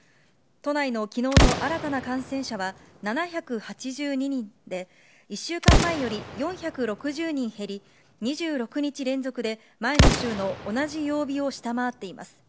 都内のきのうの新たな感染者は、７８２人で、１週間前より４６０人減り、２６日連続で前の週の同じ曜日を下回っています。